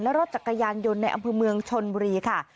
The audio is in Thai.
และรถจักรยานยนต์ในอำเภอเมืองชนบุรีค่ะ